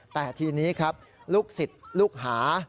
แต่ทีนี้ครับลูกศิษย์ลูกหา